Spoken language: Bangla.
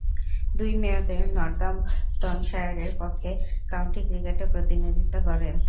দুই মেয়াদে নর্দাম্পটনশায়ারের পক্ষে কাউন্টি ক্রিকেটে প্রতিনিধিত্ব করেন।